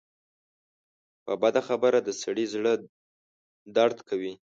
په بده خبره د سړي زړۀ دړد کوي